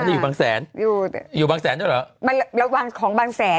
นี่อยู่บางแสนอยู่อยู่บางแสนด้วยเหรอมันระวังของบางแสน